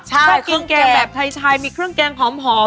ชอบเครื่องแกงแบบไทยชัยมีเครื่องแกงของหอม